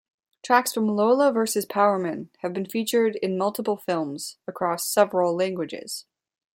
Tracks from "Lola Versus Powerman" have been featured in multiple films across several languages.